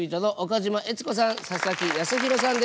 佐々木康裕さんです。